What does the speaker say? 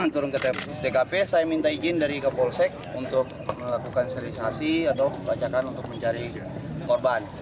turun ke tkp saya minta izin dari kapolsek untuk melakukan sterilisasi atau pelacakan untuk mencari korban